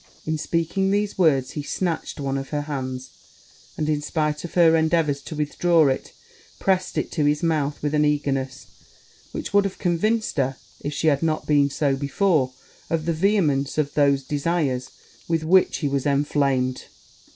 In speaking these words he snatched one of her hands; and, in spite of her endeavours to withdraw it, pressed it to his mouth with an eagerness which would have convinced her, if she had not been so before, of the vehemence of those desires with which he was inflamed.